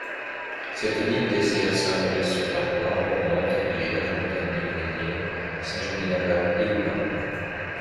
Cette ligne dessert Saint-Maurice-sur-Dargoire, Mornant, Taluyers, Montagny, Brignais, Saint-Genis-Laval et Oullins.